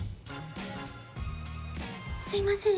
すいません